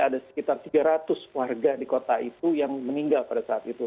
ada sekitar tiga ratus warga di kota itu yang meninggal pada saat itu